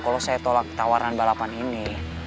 kalau saya tolak tawaran balapan ini